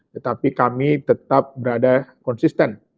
tetapi kami tetap berada konsisten